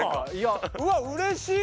うわうれしい！